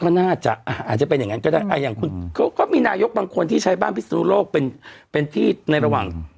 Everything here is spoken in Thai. มันน่าจะอาจจะเป็นอย่างนั้นก็ได้อย่างคุณเขาก็มีนายกบางคนที่ใช้บ้านพิศนุโลกเป็นที่ในระหว่าง